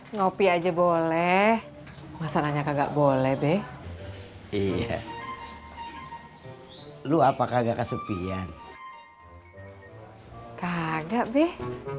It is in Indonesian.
ngopi aja boleh masalahnya kagak boleh beh iya lu apa kagak kesepian kagak beh